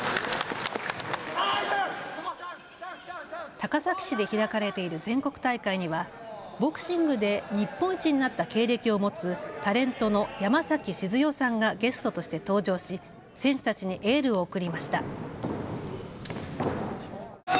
高崎市で開かれている全国大会にはボクシングで日本一になった経歴を持つタレントの山崎静代さんがゲストとして登場し選手たちにエールを送りました。